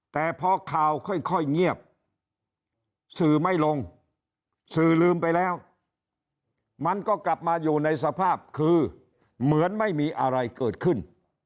แต่พอข่าวค่อยเงียบสื่อไม่ลงสื่อลืมไปแล้วมันก็กลับมาอยู่ในสภาพคือเหมือนไม่มีอะไรเกิดขึ้น